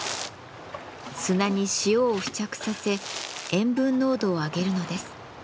砂に塩を付着させ塩分濃度を上げるのです。